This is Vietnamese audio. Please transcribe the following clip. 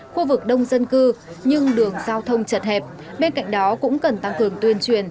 khu vực đông dân cư nhưng đường giao thông chật hẹp bên cạnh đó cũng cần tăng cường tuyên truyền